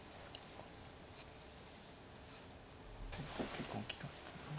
結構大きかったな。